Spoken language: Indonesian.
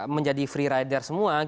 menjadi free rider semua